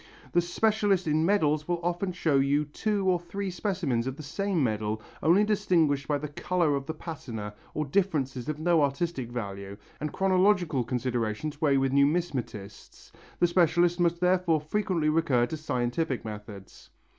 The specialist in medals will often show you two or three specimens of the same medal only distinguished by the colour of the patina or differences of no artistic value, and chronological considerations weigh with numismatists. The specialist must therefore frequently recur to scientific methods.